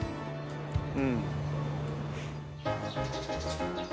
うん。